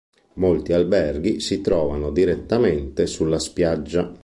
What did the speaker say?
Molti alberghi si trovano direttamente sulla spiaggia.